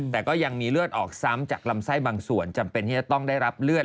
แต่ก็ยังมีเลือดออกซ้ำจากลำไส้บางส่วนจำเป็นที่จะต้องได้รับเลือด